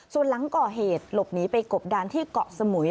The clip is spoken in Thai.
ส่วนหลังก่อเหตุหลบหนีไปกบดานที่เกาะสมุย